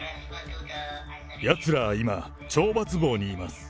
やつらは今、懲罰房にいます。